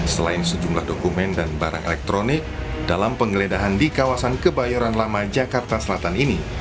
selain sejumlah dokumen dan barang elektronik dalam penggeledahan di kawasan kebayoran lama jakarta selatan ini